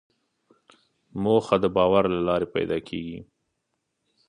موخه د باور له لارې پیدا کېږي.